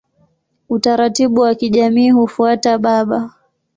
Utaratibu wa kijamii hufuata baba.